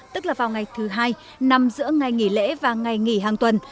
tức là vào ngày thứ hai nằm giữa ngày nghỉ lễ và ngày nghỉ hàng tuần